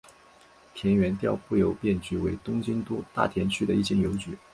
田园调布邮便局为东京都大田区的一间邮局。